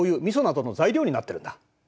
みそなどの材料になってるんだ。